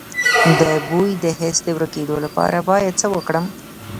د بوی د حس د ورکیدو لپاره باید څه وکړم؟